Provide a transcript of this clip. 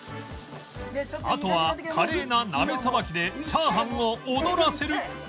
あとは華麗な鍋さばきでチャーハンを踊らせる